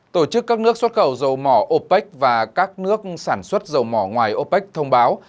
tổ chức các nước xuất khẩu dầu mỏ opec và các nước sản xuất dầu mỏ ngoài opec thông báo